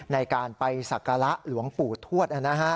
ในการไปศักระหลวงปู่ทวด